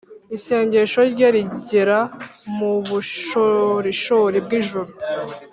isengesho rye rigera mu bushorishori bw’ijuru.